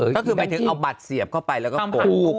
ก็คือหมายถึงเอาบัตรเสียบเข้าไปแล้วก็ปกปุ๊ก